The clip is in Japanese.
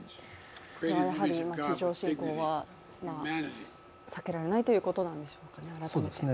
地上侵攻は避けられないということなんでしょうか、改めて。